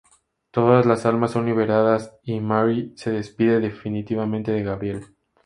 Todas las almas son liberadas y Marie se despide definitivamente de Gabriel.